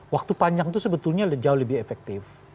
waktu panjang itu sebetulnya jauh lebih efektif